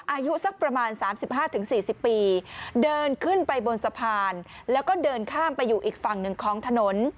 อายุสักประมาณสามสิบห้าถึงสี่สิบปีเดินขึ้นไปบนสะพานแล้วก็เดินข้ามไปอยู่อีกฝั่งหนึ่งของถนน